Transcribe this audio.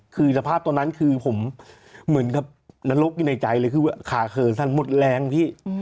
คือสภาพตอนนั้นคือผมเหมือนกับนรกอยู่ในใจเลยคือขาเขินท่านหมดแรงพี่